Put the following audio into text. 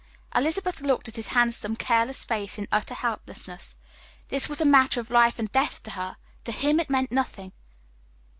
Elizabeth looked at his handsome, careless face in utter helplessness. This was a matter of life and death to her; to him it meant nothing.